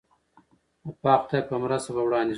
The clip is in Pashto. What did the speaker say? د پاک خدای په مرسته به وړاندې ځو.